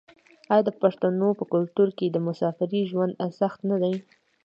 آیا د پښتنو په کلتور کې د مسافرۍ ژوند سخت نه دی؟